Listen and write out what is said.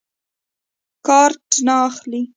کارټ نه اخلي.